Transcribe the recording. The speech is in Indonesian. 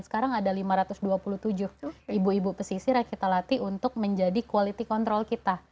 sekarang ada lima ratus dua puluh tujuh ibu ibu pesisir yang kita latih untuk menjadi quality control kita